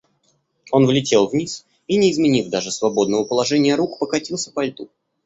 Он влетел вниз и, не изменив даже свободного положения рук, покатился по льду.